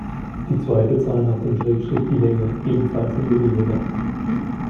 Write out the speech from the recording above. Die zweite Zahl nach dem Schrägstrich die Länge, ebenfalls in Millimeter.